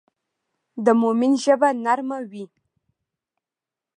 د مؤمن ژبه نرم وي.